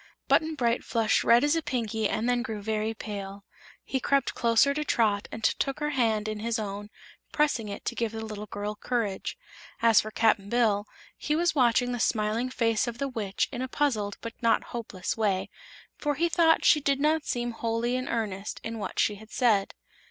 Button Bright flushed red as a Pinky and then grew very pale. He crept closer to Trot and took her hand in his own, pressing it to give the little girl courage. As for Cap'n Bill, he was watching the smiling face of the Witch in a puzzled but not hopeless way, for he thought she did not seem wholly in earnest in what she had said.